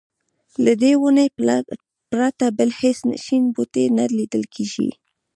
له دې ونې پرته بل هېڅ شین بوټی نه لیدل کېږي.